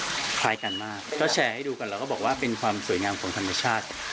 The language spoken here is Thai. คล้ายกันมากก็แชร์ให้ดูกันแล้วก็บอกว่าเป็นความสวยงามของธรรมชาติ